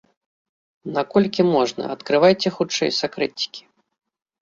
Наколькі можна, адкрывайце хутчэй сакрэцікі!!!